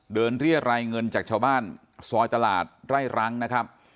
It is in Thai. เรียรายเงินจากชาวบ้านซอยตลาดไร่รังนะครับ